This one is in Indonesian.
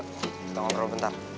kita ngobrol bentar